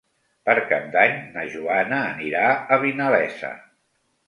Per Cap d'Any na Joana anirà a Vinalesa.